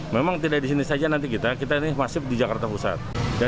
memang tidak disini saja nanti kita kita ini masih di jakarta pusat